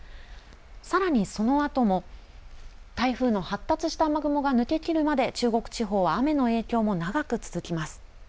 さらにそのあとも、台風の発達した雨雲が抜けきるまで中国地方は雨の影響も長く続きます。